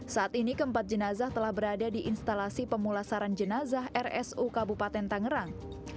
saat ini keempat jenazah telah berada di instalasi pemulasaran jenazah rsu kabupaten tangerang